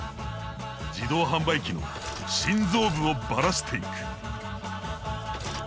自動販売機の心臓部をバラしていく。